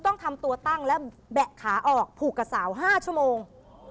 ต้องทำตัวตั้งและแบะขาออกผูกกับสาว๕ชั่วโมง